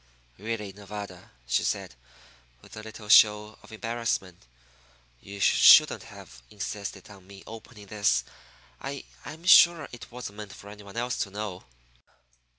"Really, Nevada," she said, with a little show of embarrassment, "you shouldn't have insisted on my opening this. I I'm sure it wasn't meant for any one else to know."